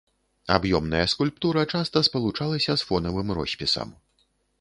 Аб'ёмная скульптура часта спалучалася з фонавым роспісам.